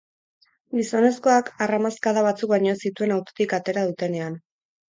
Gizonezkoak harramazkada batzuk baino ez zituen autotik atera dutenean.